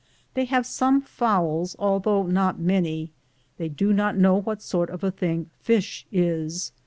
They have some fowls, although not many. They do not know what sort of a thing fish is.